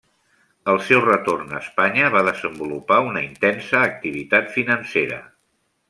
Al seu retorn a Espanya va desenvolupar una intensa activitat financera.